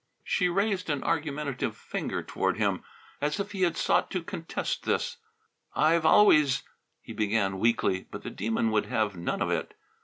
She raised an argumentative finger toward him, as if he had sought to contest this. "I've always " he began weakly. But the Demon would have none of it.